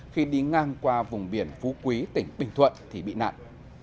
khi đi ngang qua vùng biển phú quý tỉnh bình thuận thì bị nạn